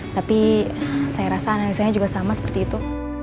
tapi saya rasa analisanya juga sama seperti itu